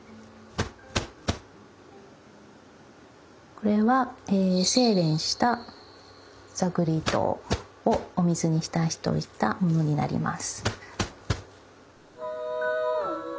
これは精練した座繰り糸をお水に浸しておいたものになります。